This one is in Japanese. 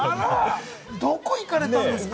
どこ行かれたんですか？